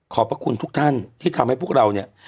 พระคุณทุกท่านที่ทำให้พวกเราเนี่ย